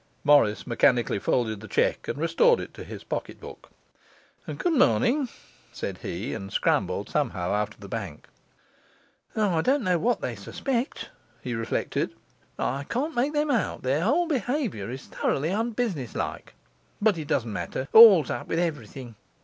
Morris mechanically folded the cheque and restored it to his pocket book. 'Good morning,' said he, and scrambled somehow out of the bank. 'I don't know what they suspect,' he reflected; 'I can't make them out, their whole behaviour is thoroughly unbusinesslike. But it doesn't matter; all's up with everything.